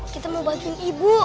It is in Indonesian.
kita mau bantuin ibu